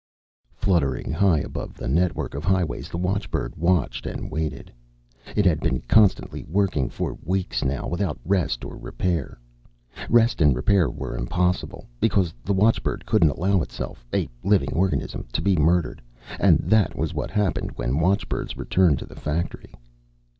Fluttering high above the network of highways, the watchbird watched and waited. It had been constantly working for weeks now, without rest or repair. Rest and repair were impossible, because the watchbird couldn't allow itself a living organism to be murdered. And that was what happened when watchbirds returned to the factory.